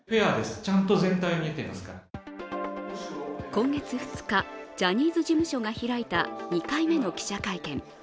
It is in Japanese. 今月２日、ジャニーズ事務所が開いた２回目の記者会見。